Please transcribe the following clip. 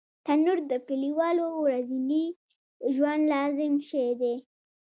تنور د کلیوالو ورځني ژوند لازم شی دی